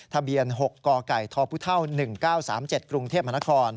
ทะเบียน๖กไก่ทพุท่าว๑๙๓๗กรุงเทพฯมค